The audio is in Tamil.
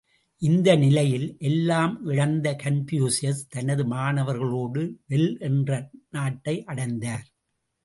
இந்த நிலையில் எல்லாம் இழத்த கன்பூசியஸ், தனது மாணவர்களோடு வெல் என்ற நாட்டை அடைந்தார்!